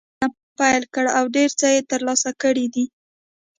دوی له هېڅ نه پیل کړی او ډېر څه یې ترلاسه کړي دي